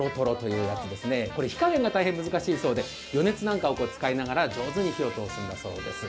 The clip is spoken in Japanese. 火加減が大変難しいそうで、余熱なんかを使いながら上手に火を通すんだそうです。